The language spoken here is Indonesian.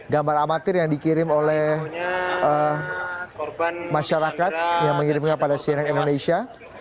gambar amatir yang dikirim oleh masyarakat yang mengirimnya pada cnn indonesia